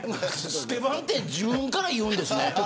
スケバンって自分から言うんですね。